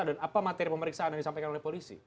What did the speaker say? dan apa materi pemeriksaan yang disampaikan oleh polisi